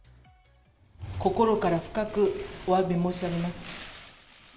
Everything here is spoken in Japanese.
心から深くおわび申し上げます。